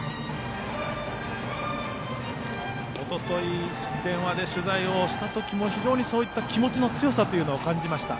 おととい、電話で取材した時も非常にそういった気持ちの強さを感じました。